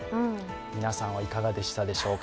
皆さんはいかがでしょうか。